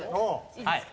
いいですか？